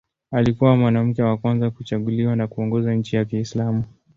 Alikuwa mwanamke wa kwanza kuchaguliwa na kuongoza nchi ya Kiislamu.